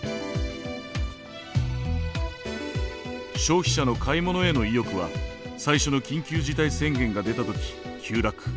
消費者の買い物への意欲は最初の緊急事態宣言が出た時急落。